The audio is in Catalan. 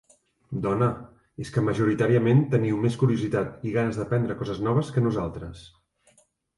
Dona, és que majoritàriament teniu més curiositat i ganes d'aprendre coses noves que nosaltres.